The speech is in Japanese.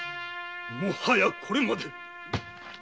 もはやこれまで！